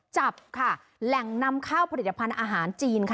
จับค่ะแหล่งนำข้าวผลิตภัณฑ์อาหารจีนค่ะ